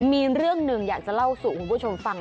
มีเรื่องหนึ่งอยากจะเล่าสู่คุณผู้ชมฟัง